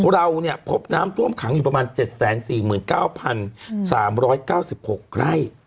เราพบน้ำท่วมขังอยู่ประมาณ๗๔๙๓๙๖ไร่